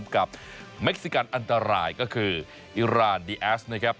กับเม็กซิกันอันตรายก็คืออิราณดีแอสนะครับ